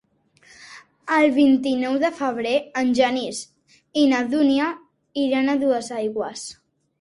El vint-i-nou de febrer en Genís i na Dúnia iran a Duesaigües.